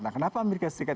nah kenapa amerika serikat